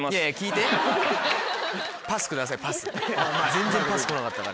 全然パス来なかったから。